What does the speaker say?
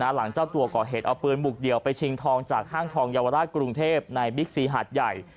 หลังเจ้าตัวก่อเหตุเอาปืนบุกเดี่ยวไปชิงทองจากห้างทองเยาวราชกรุงเทพในบิ๊กซีหาดใหญ่